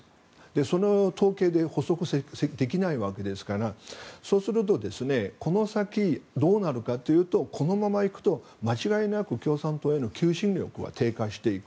その統計で捕捉できないわけですからそうするとこの先どうなるかというとこのままいくと間違いなく共産党への求心力は低下していく。